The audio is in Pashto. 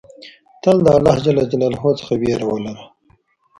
تل د الله ج څخه ویره ولره.